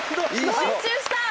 もう一周したい。